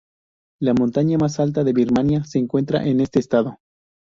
La montaña más alta de Birmania se encuentra en este estado.